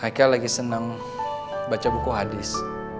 haikal lagi seneng baca buku hadis